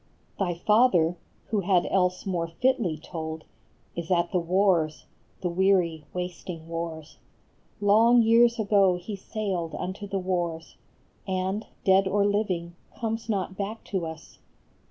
Thy father, who had else more fitly told, Is at the wars, the weary, wasting wars ; Long years ago he sailed unto the wars, And, dead or living, comes not back to us.